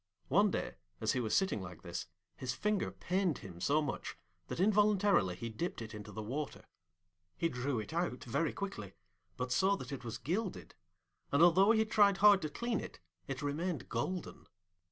One day as he was sitting like this his finger pained him so much that involuntarily he dipped it into the water. He drew it out very quickly, but saw that it was gilded, and although he tried hard to clean it, it remained golden.